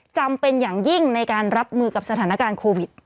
จำเป็นอย่างยิ่งในการรับมือกับสถานการณ์โควิด